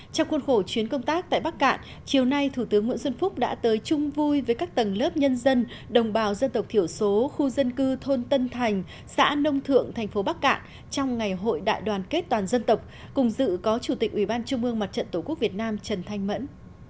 trong khuôn khổ chuyến công tác tại bắc cạn chiều nay thủ tướng nguyễn xuân phúc đã tới chung vui với các tầng lớp nhân dân đồng bào dân tộc thiểu số khu dân cư thôn tân thành xã nông thượng thành phố bắc cạn trong ngày hội đại đoàn kết toàn dân tộc cùng dự có chủ tịch ủy ban trung ương mặt trận tổ quốc việt nam trần thanh mẫn